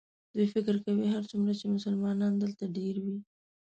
دوی فکر کوي هرڅومره چې مسلمانان دلته ډېر وي.